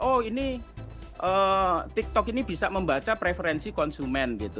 oh ini tiktok ini bisa membaca preferensi konsumen gitu